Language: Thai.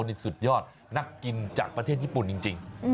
นี่สุดยอดนักกินจากประเทศญี่ปุ่นจริง